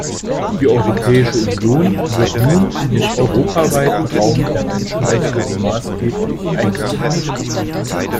Die Europäische Union wird nun in den europaweiten Raum der Menschenrechte maßgeblich eingebunden.